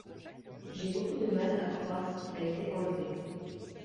J’ai beaucoup de mal à croire qu’il a été enlevé.